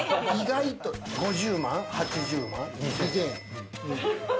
５０万、８０万、２０００円。